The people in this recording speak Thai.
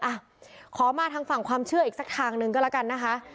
อ่ะขอมาทางฝั่งความเชื่ออีกสักทางหนึ่งก็แล้วกันนะคะ